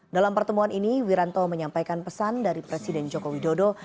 dalam pertemuan ini wiranto menyampaikan pesan dari presiden joko widodo